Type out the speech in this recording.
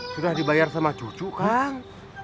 sudah dibayar sama cucu kang